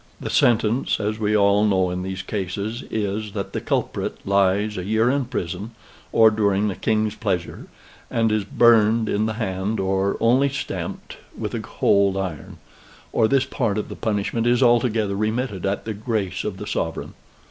The sentence, as we all know in these cases, is, that the culprit lies a year in prison, or during the King's pleasure, and is burned in the hand, or only stamped with a cold iron; or this part of the punishment is altogether remitted at the grace of the Sovereign.